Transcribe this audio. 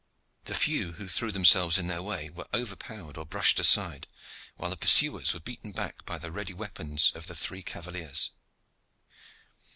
The few who threw themselves in their way were overpowered or brushed aside, while the pursuers were beaten back by the ready weapons of the three cavaliers.